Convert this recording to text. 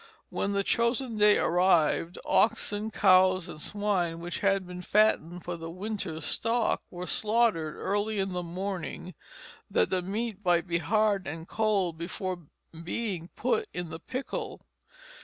When the chosen day arrived, oxen, cows, and swine which had been fattened for the winter's stock were slaughtered early in the morning, that the meat might be hard and cold before being put in the pickle.